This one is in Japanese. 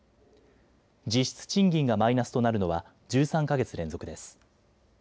実質賃金がマイナスとなるのは１３か月連続です。